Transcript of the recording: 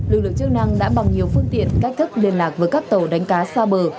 lực lượng chức năng đã bằng nhiều phương tiện cách thức liên lạc với các tàu đánh cá xa bờ